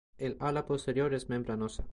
El ala posterior es membranosa.